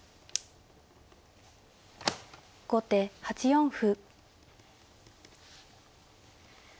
後手８四歩。